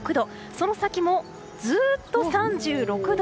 その先もずっと３６度。